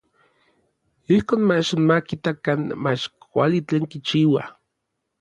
Ijkon mach ma kitakan mach kuali tlen kichiua.